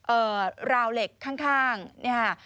เอ่อราวเหล็กข้างนี่ค่ะ